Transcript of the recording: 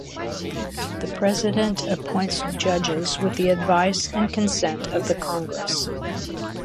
The president appoints judges with the advice and consent of the Congress.